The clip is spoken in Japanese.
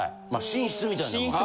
寝室みたいな。